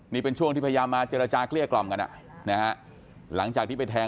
นี่เป็นช่วงที่พยายามมาเจรจาเกลี้ยกล่อมกันอ่ะนะฮะหลังจากที่ไปแทง